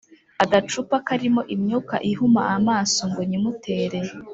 agacupa karimo imyuka ihuma amaso ngo nyimutere